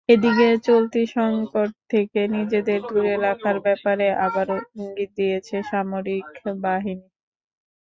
এদিকে চলতি সংকট থেকে নিজেদের দূরে রাখার ব্যাপারে আবারও ইঙ্গিত দিয়েছে সামরিক বাহিনী।